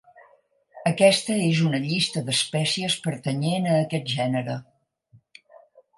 Aquesta és una llista d'espècies pertanyent a aquest gènere.